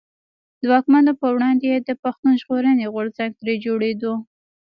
د واکمنو پر وړاندي يې د پښتون ژغورني غورځنګ تر جوړېدو.